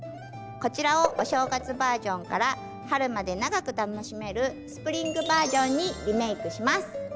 こちらをお正月バージョンから春まで長く楽しめるスプリングバージョンにリメイクします。